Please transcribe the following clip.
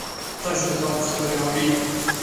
تش د باد خبرې اوري